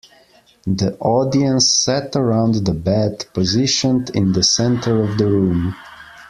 The audience sat around the bed, positioned in the centre of the room.